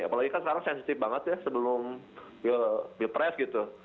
apalagi kan sekarang sensitif banget ya sebelum pilpres gitu